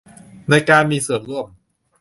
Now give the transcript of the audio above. ในการมีส่วนร่วม